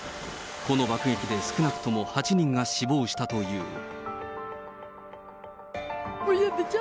この爆撃で少なくとも８人が死亡したという。